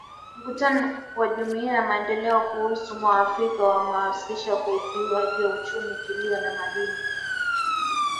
Mkutano wa Jumuiya ya Maendeleo Kusini mwa Afrika wahamasisha ukuaji uchumi kilimo na madini